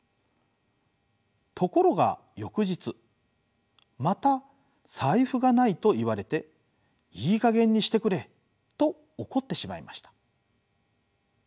ところが翌日また財布がないと言われていい加減にしてくれと怒ってしまいました。